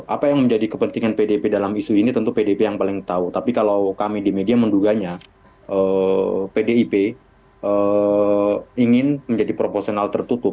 apa yang menjadi kepentingan pdip dalam isu ini tentu pdip yang paling tahu tapi kalau kami di media menduganya pdip ingin menjadi proporsional tertutup